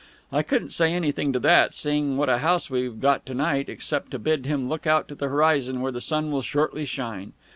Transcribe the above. I couldn't say anything to that, seeing what a house we've got to night, except to bid him look out to the horizon where the sun will shortly shine.